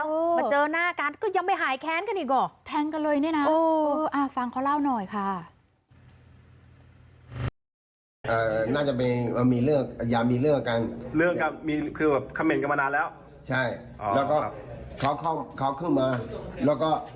มาเจอหน้ากันก็ยังไม่หายแค้นกันอีกหรอ